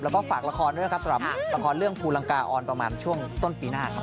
แล้วก็ฝากละครด้วยครับสำหรับละครเรื่องภูลังกาออนประมาณช่วงต้นปีหน้าครับ